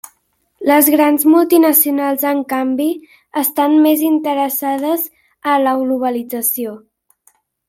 Les grans multinacionals en canvi estan més interessades a la globalització.